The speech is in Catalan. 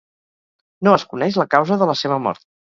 No es coneix la causa de la seva mort.